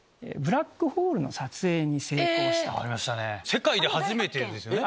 世界で初めてですよね。